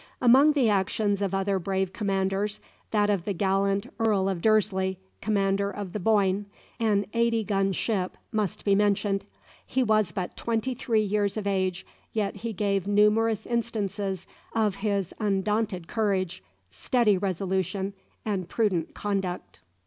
Among the actions of other brave commanders, that of the gallant Earl of Dursley, commander of the "Boyne," an eighty gun ship, must be mentioned. He was but twenty three years of age, yet he gave numerous instances of his undaunted courage, steady resolution, and prudent conduct.